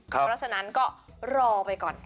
เพราะฉะนั้นก็รอไปก่อน